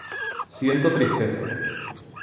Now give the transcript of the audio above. Siento tristeza